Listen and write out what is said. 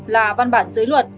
là văn bản dưới luật